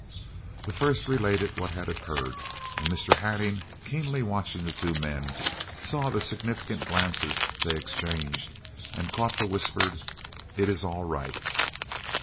The first related what had occurred, and Mr. Hattingh, keenly watching the two men, saw the significant glances they exchanged, and caught the whispered: "It is all right."